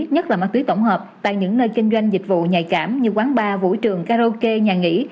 nhất là ma túy tổng hợp tại những nơi kinh doanh dịch vụ nhạy cảm như quán bar vũ trường karaoke nhà nghỉ